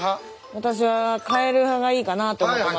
私は変える派がいいかなと思ってます。